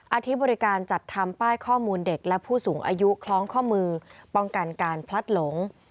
ที่บริการจัดทำป้ายข้อมูลเด็กและผู้สูงอายุคล้องข้อมือป้องกันการพลัดหลง